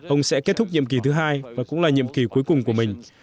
ông sẽ kết thúc nhiệm kỳ thứ hai và cũng là nhiệm kỳ cuối cùng của mình